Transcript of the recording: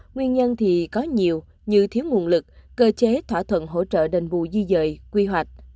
nguyên nhân thì có nhiều như thiếu nguồn lực cơ chế thỏa thuận hỗ trợ đền bù di dời quy hoạch